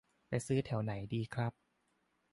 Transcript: ไปซื้อแถวไหนดีครับ